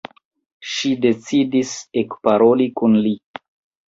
Ŝi decidis ekparoli kun li.